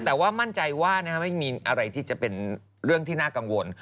แต่ว่ามั่นใจว่าไม่มีอะไรที่จะเป็นเรื่องที่น่ากังวล